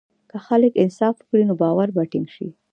که خلک انصاف وکړي، نو باور به ټینګ شي.